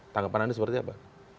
tanggapan anda seperti apa